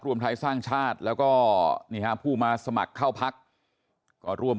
รวมไทยสร้างชาติแล้วก็นี่ฮะผู้มาสมัครเข้าพักก็ร่วม